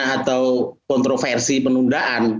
atau kontroversi penundaan